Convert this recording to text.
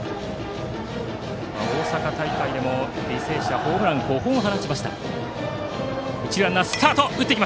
大阪大会でも履正社はホームランを５本打ちました。